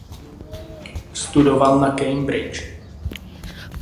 Studoval na Cambridge.